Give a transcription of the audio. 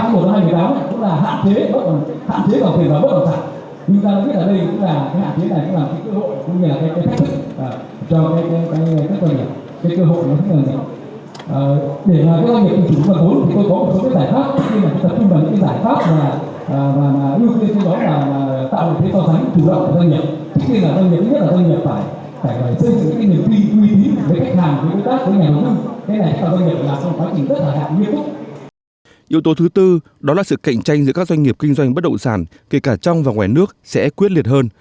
yếu tố thứ tư đó là sự cạnh tranh giữa các doanh nghiệp kinh doanh bất động sản kể cả trong và ngoài nước sẽ quyết liệt hơn